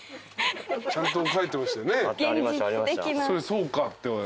そうかって。